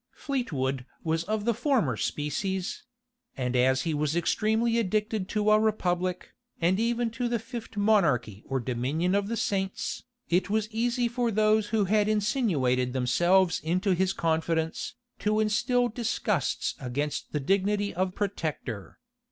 Fleetwood was of the former species; and as he was extremely addicted to a republic, and even to the fifth monarchy or dominion of the saints, it was easy for those who had insinuated themselves into his confidence, to instil disgusts against the dignity of protector.